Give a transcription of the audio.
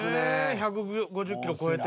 １５０キロ超えて？